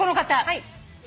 はい。